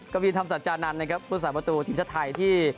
กวินธรรมสัจจานันทร์นะครับผู้สาประตูทีมชาติไทยที่